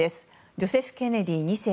ジョセフ・ケネディ２世。